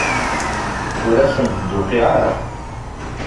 Ur asent-d-tuqiɛ ara.